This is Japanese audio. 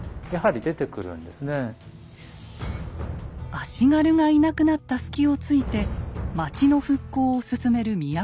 足軽がいなくなった隙をついて町の復興を進める都の人たち。